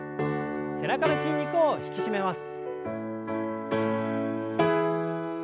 背中の筋肉を引き締めます。